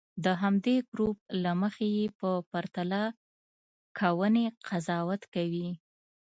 د همدې ګروپ له مخې یې په پرتله کوونې قضاوت کوي.